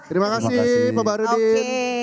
terima kasih pak bahrudin